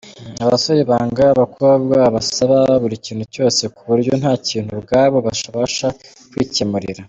Abasore banga abakobwa babasaba buri kintu cyose, ku buryo nta kintu ubwabo babasha kwikemurira.